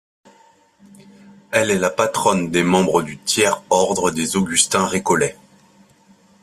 Elle est la patronne des membres du Tiers-Ordre des Augustins récollets.